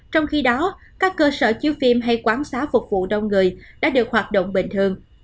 trong khi đó các cơ sở chiếu phim hay quán xá phục vụ đông người đã được hoạt động bình thường